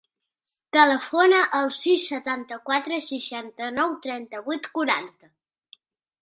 Telefona al sis, setanta-quatre, seixanta-nou, trenta-vuit, quaranta.